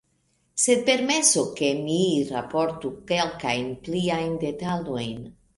Sed permesu ke mi raportu kelkajn pliajn detalojn.